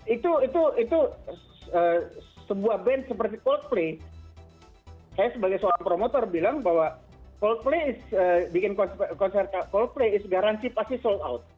itu sebuah band seperti coldplay saya sebagai seorang promotor bilang bahwa coldplace bikin konser coldplay is garansi pasti sold out